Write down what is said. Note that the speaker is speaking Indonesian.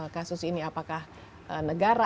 kasus ini apakah negara